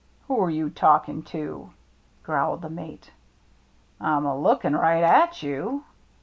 " Who're you talking to ?" growled the mate. " I'm a looking right at you."